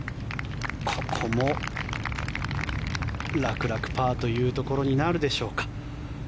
ここも楽々、パーというところになるでしょうか。